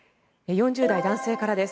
４０代、男性からです。